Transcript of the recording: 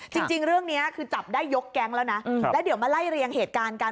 จริงเรื่องนี้คือจับได้ยกแก๊งแล้วนะแล้วเดี๋ยวมาไล่เรียงเหตุการณ์กัน